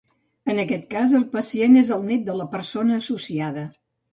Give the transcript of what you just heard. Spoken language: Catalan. En aquest cas, el pacient és el net de la persona associada.